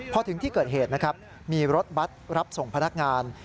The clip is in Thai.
พอถึงที่เกิดเหตุนะครับมีรถบัตรรับส่งพนักงาน